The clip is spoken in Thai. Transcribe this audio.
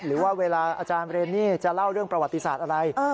หรือว่าเวลาอาจารย์เรนนี่จะเล่าเรื่องประวัติศาสตร์อะไร